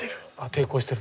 抵抗してる。